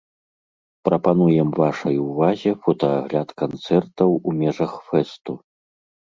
Прапануем вашай увазе фотаагляд канцэртаў у межах фэсту.